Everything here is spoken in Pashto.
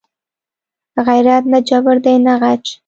غیرت نه جبر دی نه غچ